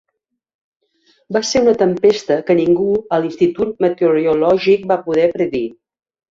Va ser una tempesta que ningú a l'institut meteorològic va poder predir.